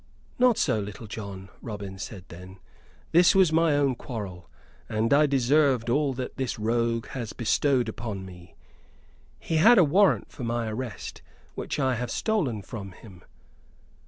"Not so, Little John," Robin said then. "This was my own quarrel, and I deserved all that this rogue has bestowed on me. He had a warrant for my arrest, which I have stolen from him."